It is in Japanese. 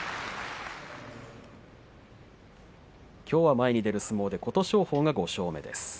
きょうは前に出る相撲で琴勝峰が５勝目です。